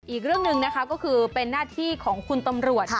อีกเรื่องหนึ่งนะคะก็คือเป็นหน้าที่ของคุณตำรวจ